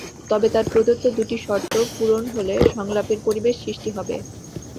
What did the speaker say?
তবে তাঁর প্রদত্ত দুটি শর্ত পূরণ হলে সংলাপের পরিবেশ সৃষ্টি হবে।